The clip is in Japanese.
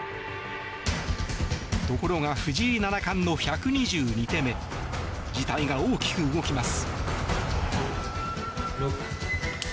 ところが、藤井七冠の１２２手目事態が大きく動きます。